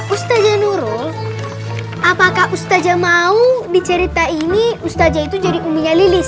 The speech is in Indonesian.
ustazah nurul apakah ustazah mau di cerita ini ustazah itu jadi uminya lilis